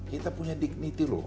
kita punya dignity loh